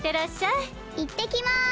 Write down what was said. いってきます！